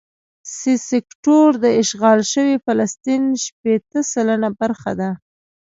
سي سیکټور د اشغال شوي فلسطین شپېته سلنه برخه ده.